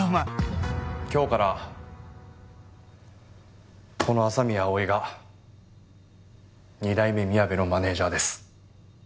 今日からこの麻宮葵が二代目みやべのマネージャーです。